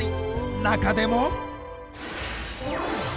中でも。